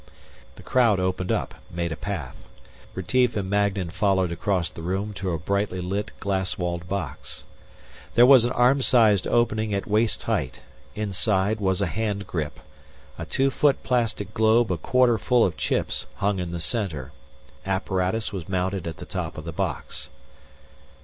The crowd opened up, made a path. Retief and Magnan followed across the room to a brightly lit glass walled box. There was an arm sized opening at waist height. Inside was a hand grip. A two foot plastic globe a quarter full of chips hung in the center. Apparatus was mounted at the top of the box.